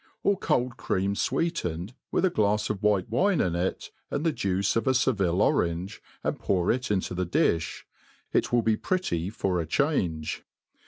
Or cold cream fweetened, with a glafs of white wine in ft, and the juice of a Seville orange, and pour it into the diih. It will be pretty for change.